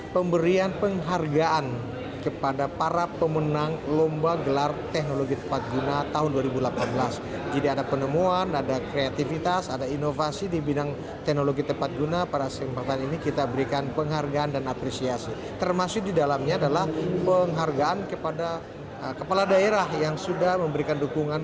penghargaan kepada kepala daerah yang sudah memberikan dukungan